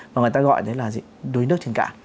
và người ta gọi đấy là gì đuối nước trên cạn